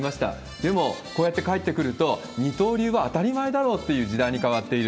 でも、こうやって帰ってくると、二刀流は当たり前だろうという時代に変わっている。